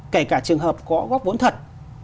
kể cả trường hợp có góp vốn thật